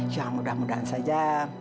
ya mudah mudahan saja